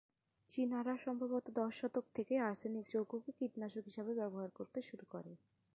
চীনারা সম্ভবত দশ শতক থেকে আর্সেনিক যৌগকে কীটনাশক হিসেবে ব্যবহার করতে শুরু করে।